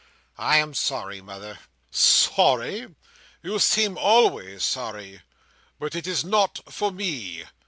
"I am sorry, mother." "Sorry! You seem always sorry. But it is not for me!"